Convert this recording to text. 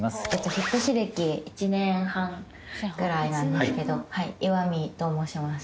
引越し歴１年半ぐらいなんですけど岩見と申します